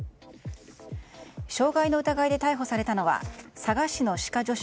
傷害の疑いで逮捕されたのは佐賀市の歯科助手